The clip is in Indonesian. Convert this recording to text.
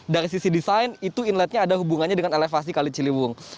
dari sisi desain itu inletnya ada hubungannya dengan elevasi kali ciliwung